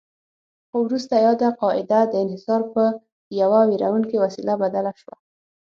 خو وروسته یاده قاعده د انحصار پر یوه ویروونکې وسیله بدله شوه.